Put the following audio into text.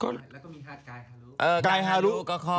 และมีฮาทกายฮารุก็คอด